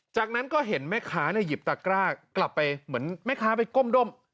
จากนั้นก็เห็นแม่ค้าหยิบตะกร้ากลับไปเหมือนแม่ค้าไปก้มด้ม